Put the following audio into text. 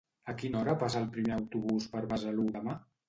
A quina hora passa el primer autobús per Besalú demà?